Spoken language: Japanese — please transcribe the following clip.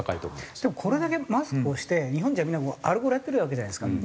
でもこれだけマスクをして日本じゃみんなアルコールをやってるわけじゃないですか。